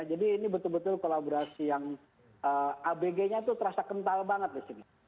jadi ini betul betul kolaborasi yang abg nya itu terasa kental banget lucia